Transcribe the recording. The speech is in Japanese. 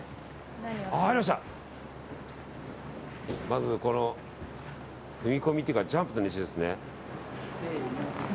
まずこの踏み込みというかジャンプですね。